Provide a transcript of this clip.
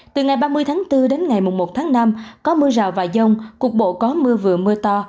từ ngày ba mươi tháng bốn đến ngày một tháng năm có mưa rào và dông cục bộ có mưa vừa mưa to